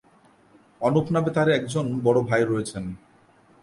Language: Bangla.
অনুপ নামে তার একজন বড়ো ভাই রয়েছেন।